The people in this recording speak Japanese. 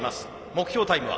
目標タイムは？